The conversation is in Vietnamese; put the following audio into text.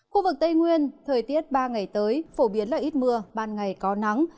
khu vực tây nguyên thời tiết ba ngày tới phổ biến là ít mưa ban ngày có nắng